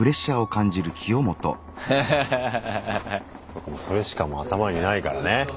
そうかそれしかもう頭にないからね。